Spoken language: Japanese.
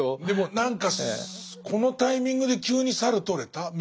でも何かこのタイミングで急に猿とれた？